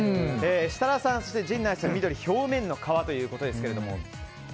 設楽さん、そして陣内さんが緑の表面の皮ということですが。